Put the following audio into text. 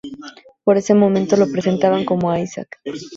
Por ese momento lo presentaban como Isaac.